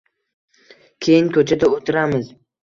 Keyin koʻchada oʻtiramiz.